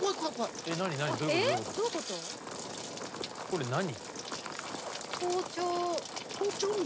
これ何？